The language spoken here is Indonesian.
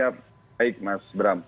baik mas bram